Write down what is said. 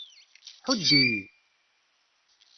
Ḥudd-iyi!